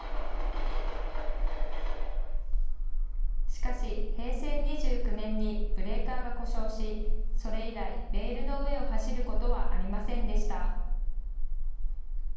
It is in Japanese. しかし平成２９年にブレーカーが故障し、それ以来、レールの上を走ることはありませんでした。